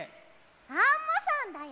アンモさんだよ！